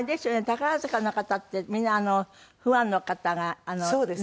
宝塚の方ってみんなファンの方が何人もいて。